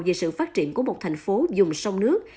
về sự phát triển của một thành phố dùng sông nước